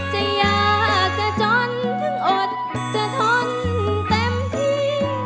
จะยากจะจนถึงอดจะทนเต็มที่